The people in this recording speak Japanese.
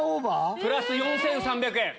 プラス４３００円。